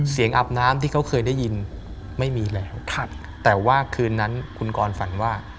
อาบน้ำที่เขาเคยได้ยินไม่มีแล้วแต่ว่าคืนนั้นคุณกรฝันว่า